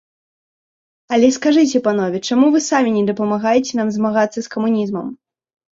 Але скажыце, панове, чаму вы самі не дапамагаеце нам змагацца з камунізмам?